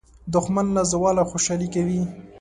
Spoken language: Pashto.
دښمن له زواله خوشالي کوي